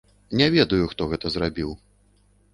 Не ведаю, хто гэта зрабіў.